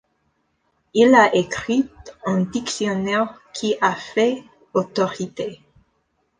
Il a écrit un dictionnaire qui a fait autorité.